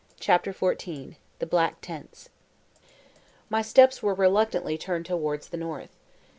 CHAPTER XIV—THE BLACK TENTS My steps were reluctantly turned towards the north.